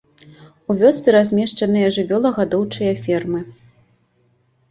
У вёсцы размешчаныя жывёлагадоўчыя фермы.